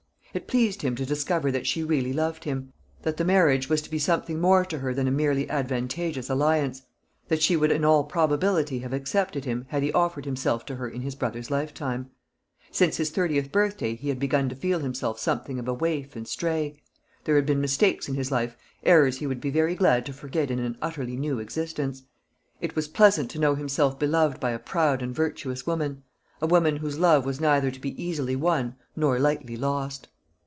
It pleased him to discover that she really loved him; that the marriage was to be something more to her than a merely advantageous alliance; that she would in all probability have accepted him had he offered himself to her in his brother's lifetime. Since his thirtieth birthday he had begun to feel himself something of a waif and stray. There had been mistakes in his life, errors he would be very glad to forget in an utterly new existence. It was pleasant to know himself beloved by a proud and virtuous woman, a woman whose love was neither to be easily won nor lightly lost.